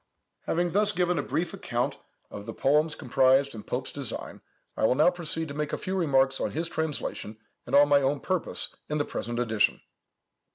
Having thus given a brief account of the poems comprised in Pope's design, I will now proceed to make a few remarks on his translation, and on my own purpose in the present edition.